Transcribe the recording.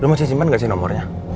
lo masih simpan gak sih nomornya